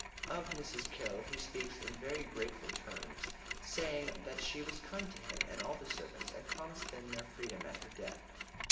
Of Mrs. Carroll he speaks in very grateful terms, saying that she was kind to him and all the servants, and promised them their freedom at her death.